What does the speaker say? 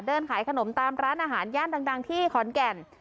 เดินขายขนมตามร้านอาหารย่านดังที่ขอนแก่น